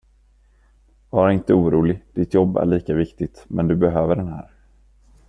Var inte orolig, ditt jobb är lika viktigt, men du behöver den här.